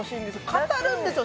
語るんですよ